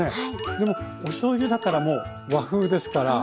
でもおしょうゆだからもう和風ですから。